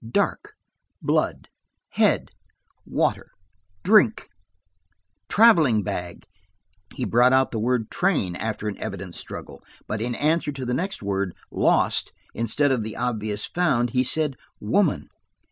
"Dark." "Blood." "Head." "Water." "Drink." "Traveling bag." He brought out the word "train" after an evident struggle, but in answer to the next word "lost," instead of the obvious "found," he said "woman."